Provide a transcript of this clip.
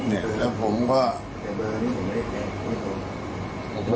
เนี่ยแล้วผมก็